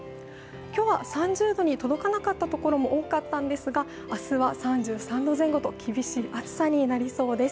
今日は３０度に届かなかったところも多かったんですが、明日は３３度前後と厳しい暑さになりそうです。